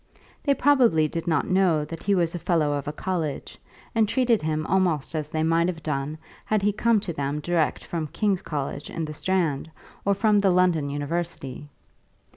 They probably did not know that he was a fellow of a college, and treated him almost as they might have done had he come to them direct from King's College, in the Strand, or from the London University.